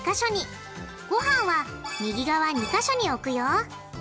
ごはんは右側２か所に置くよ。